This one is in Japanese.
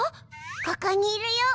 ここにいるよ。